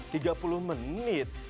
tiga puluh menit